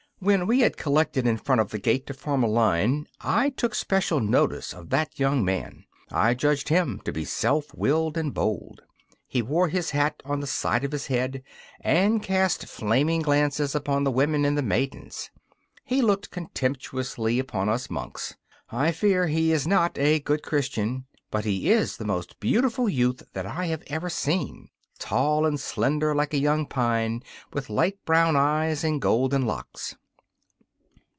When we had collected in front of the gate to form a line I took special notice of that young man. I judged him to be self willed and bold. He wore his hat on the side of his head and cast flaming glances upon the women and the maidens. He looked contemptuously upon us monks. I fear he is not a good Christian, but he is the most beautiful youth that I have ever seen: tall and slender like a young pine, with light brown eyes and golden locks.